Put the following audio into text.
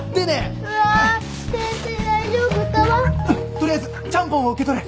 取りあえずちゃんぽんを受け取れ。